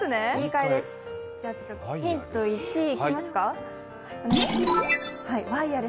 ヒント１、いきますか。